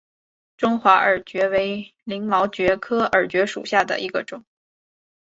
中华耳蕨为鳞毛蕨科耳蕨属下的一个种。